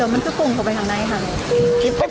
ฟังลูกครับ